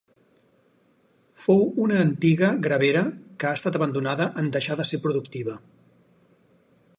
Fou una antiga gravera que ha estat abandonada en deixar de ser productiva.